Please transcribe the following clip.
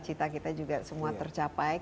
baik di antara kita loha dan juga berna ehmaku